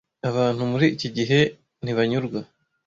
abantu muri iki gihe ntibanyurwa